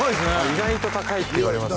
意外と高いって言われますね